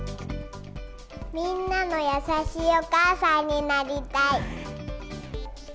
みんなの優しいお母さんになりたい。